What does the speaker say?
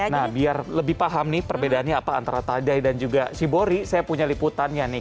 nah biar lebih paham nih perbedaannya apa antara tadai dan juga shibori saya punya liputannya nih